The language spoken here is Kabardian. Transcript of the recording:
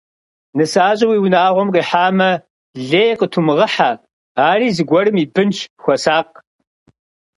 Нысащӏэ уи унагъуэм къихьамэ, лей къытумыгъыхьэ, ари зыгуэрым и бынщ, хуэсакъ.